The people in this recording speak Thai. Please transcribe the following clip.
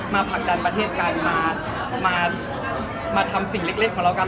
ผลักดันประเทศไทยมาทำสิ่งเล็กของเรากัน